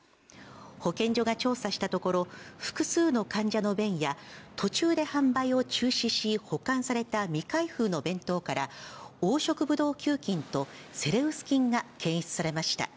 保健所が調査したところ、複数の患者の便や、途中で販売を中止し、保管された未開封の弁当から、黄色ブドウ球菌とセレウス菌が検出されました。